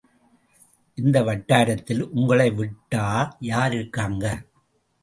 இந்த வட்டாரத்தில் உங்களை விட்டா யார் இருக்காங்க?